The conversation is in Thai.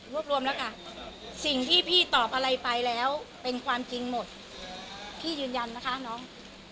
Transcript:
รวมแล้วค่ะสิ่งที่พี่ตอบอะไรไปแล้วเป็นความจริงหมดพี่ยืนยันนะคะน้อง